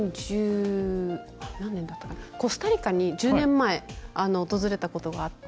コスタリカに１０年前訪れたことがあって。